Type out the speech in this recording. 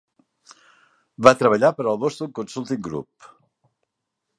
Va treballar per al Boston Consulting Group.